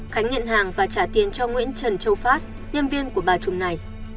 khánh nhận hàng và trả tiền cho nguyễn trần châu phát nhân viên của bà trung này